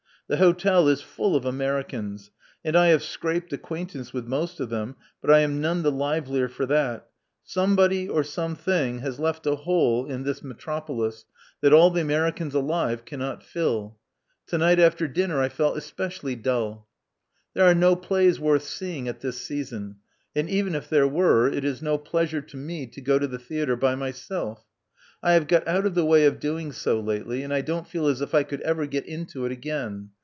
The hotel is full of Americans; and I have scraped acquaintance with most of them; but I am none the livelier for that: somebody or something has left a hole in this Love Among the Artists 295 metropolis that all the Americans alive cannot fill. To night after dinner I felt especially dull. There are no plays worth seeing at this season: and even if there were, it is no pleasure to me to go to the theatre by myself. I have got out of the way of doing so lately; and I don't feel as if I could ever get into it again.